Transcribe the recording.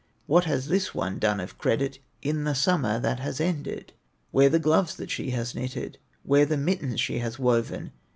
What has this one done of credit, In the summer that has ended? Where the gloves that she has knitted, Where the mittens she has woven?